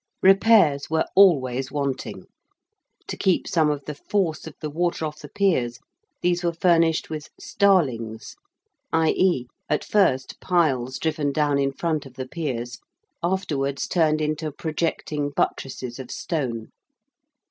Repairs were always wanting: to keep some of the force of the water off the piers these were furnished with 'starlings,' i.e. at first piles driven down in front of the piers, afterwards turned into projecting buttresses of stone.